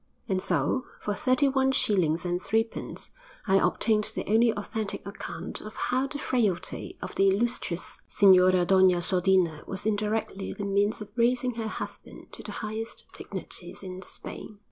And so, for thirty one shillings and threepence, I obtained the only authentic account of how the frailty of the illustrious Señora Doña Sodina was indirectly the means of raising her husband to the highest dignities in Spain.